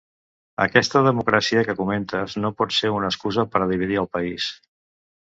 Aquesta ‘democràcia’ que comentes no pot ser una excusa per a dividir el país.